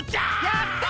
やった！